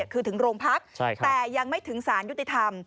คือถึงโรงพักแต่ยังไม่ถึงสารยุติธรรม